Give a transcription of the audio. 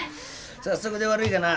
早速で悪いがな